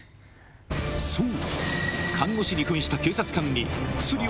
そう！